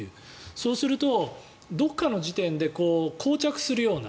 そうすると、どこかの時点でこう着するような。